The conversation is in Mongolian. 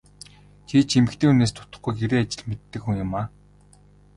Чи ч эмэгтэй хүнээс дутахгүй гэрийн ажил мэддэг хүн юмаа.